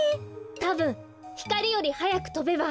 たぶんひかりよりはやくとべば。